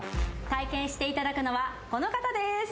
体験していただくのはこの方です。